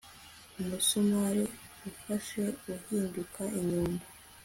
Umusumari ufashe uhinduka inyundo